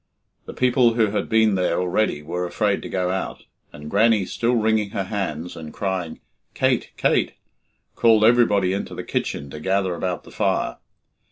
The people who had been there already were afraid to go out, and Grannie, still wringing her hands and crying "Kate, Kate," called everybody into the kitchen to gather about the fire.